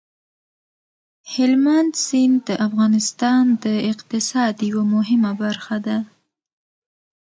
هلمند سیند د افغانستان د اقتصاد یوه مهمه برخه ده.